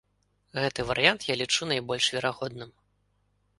Гэты варыянт я лічу найбольш верагодным.